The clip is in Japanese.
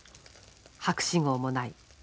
博士号もない。